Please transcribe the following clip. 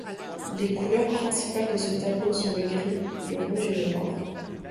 Les couleurs principales de ce tableau sont le gris, le rouge et le noir.